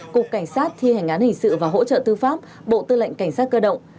cục cảnh sát thi hành án hình sự và hỗ trợ tư pháp bộ tư lệnh cảnh sát cơ động